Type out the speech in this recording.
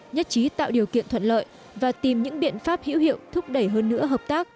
nhất trí tạo điều kiện thuận lợi và tìm những biện pháp hữu hiệu thúc đẩy hơn nữa hợp tác